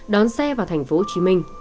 đón xe vào tp hcm